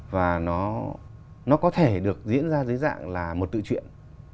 và nó có thể được diễn ra dưới dạng là một tự chuyện